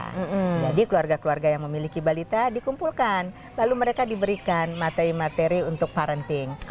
nah jadi keluarga keluarga yang memiliki balita dikumpulkan lalu mereka diberikan materi materi untuk parenting